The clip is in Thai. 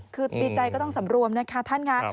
คือดีใจก็ต้องสำรวมนะคะท่านค่ะ